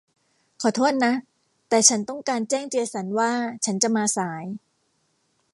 ขอโทษนะ แต่ฉันต้องการแจ้งเจสันว่าฉันจะมาสาย